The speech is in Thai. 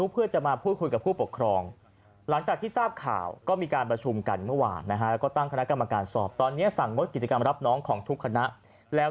เพื่อนก็จะไม่เกลียดเพื่อนก็จะเกลียดผมแล้ว